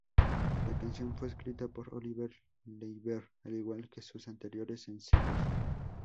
La canción fue escrita por Oliver Leiber al igual que sus anteriores sencillos.